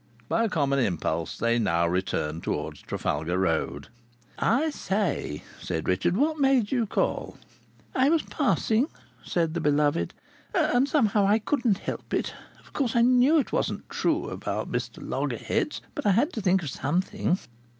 By a common impulse they now returned towards Trafalgar Road. "I say," said Richard, "what made you call?" "I was passing," said the beloved. "And somehow I couldn't help it. Of course, I knew it wasn't true about Mr Loggerheads. But I had to think of something."